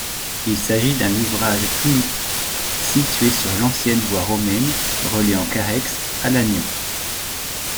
Il s'agit d'un ouvrage primitif situé sur l'ancienne voie romaine reliant Carhaix à Lannion.